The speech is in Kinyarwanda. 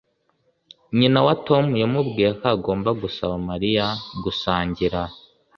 Nyina wa Tom yamubwiye ko agomba gusaba Mariya gusangira